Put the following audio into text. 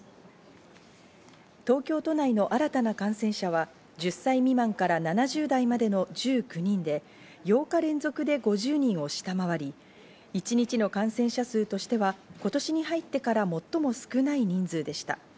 東京都内の新たな感染者は１０歳未満から７０代までの１９人で、８日連続で５０人を下回り、一日の感染者数としては今年に入ってから最も少ない人数でした。